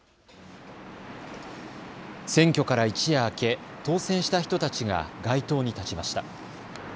選挙から一夜明け、当選した人たちが街頭に立ちました。